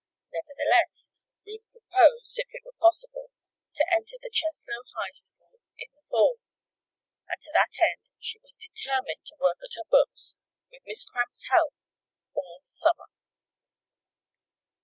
Nevertheless, Ruth proposed, if it were possible, to enter the Cheslow High School in the fall, and to that end she was determined to work at her books with Miss Cramp's help all summer.